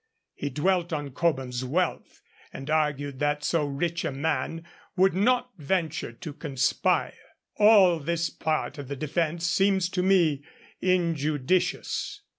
He dwelt on Cobham's wealth, and argued that so rich a man would not venture to conspire. All this part of the defence seems to me injudicious.